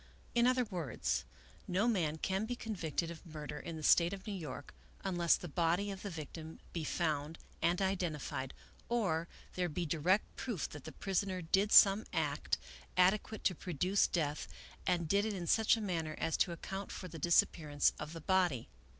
In other words, no man can be convicted of murder in the State of New York, unless the body of the victim be found and identified, or there be direct proof that the prisoner did some act ade quate to produce death, and did it in such a manner as to account for the disappearance of the body."